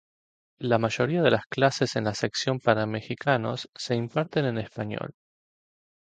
La mayoría de las clases en la sección para mexicanos se imparten en español.